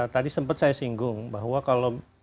tadi sempat saya singgung bahwa kalau